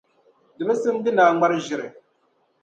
Di bi simdi ni a ŋmari ʒiri